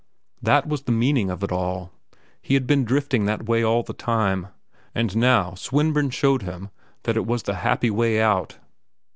That was the meaning of it all; he had been drifting that way all the time, and now Swinburne showed him that it was the happy way out.